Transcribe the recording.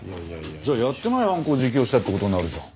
じゃあやってない犯行を自供したって事になるじゃん。